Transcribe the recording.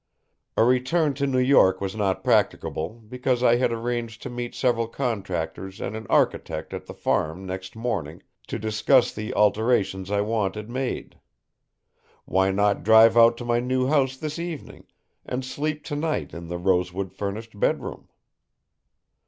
A return to New York was not practicable, because I had arranged to meet several contractors and an architect at the farm, next morning, to discuss the alterations I wanted made. Why not drive out to my new house this evening and sleep tonight in the rosewood furnished bedroom?